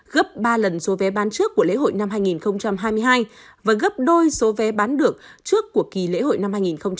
gấp ba lần số vé bán trước của lễ hội năm hai nghìn hai mươi hai và gấp đôi số vé bán được trước của kỳ lễ hội năm hai nghìn hai mươi